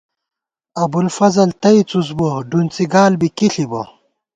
ابُوالفضل تئ څُس بُوَہ ، ڈُونڅِی گال بی کی ݪِبہ